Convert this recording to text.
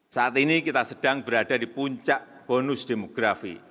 saat ini kita sedang berada di puncak bonus demografi